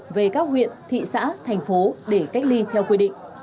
về các huyện thị xã thành phố để cách ly theo quy định